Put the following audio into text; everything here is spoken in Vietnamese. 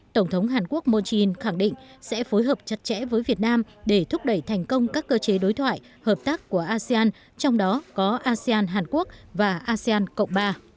tổng thống hàn quốc moon jae in khẳng định sẽ phối hợp chặt chẽ với việt nam để thúc đẩy thành công các cơ chế đối thoại hợp tác của asean trong đó có asean hàn quốc và asean cộng ba